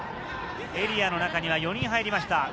エリアの中には４人入りました。